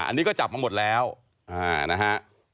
อันนี้ก็จับมาหมดแล้วนะฮะ